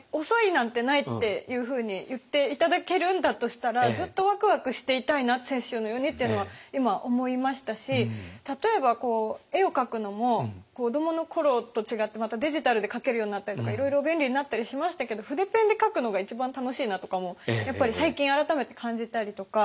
遅いなんてないっていうふうに言って頂けるんだとしたらずっとワクワクしていたいな雪舟のようにっていうのは今思いましたし例えば絵を描くのも子どものころと違ってまたデジタルで描けるようになったりとかいろいろ便利になったりしましたけど筆ペンで描くのが一番楽しいなとかもやっぱり最近改めて感じたりとか。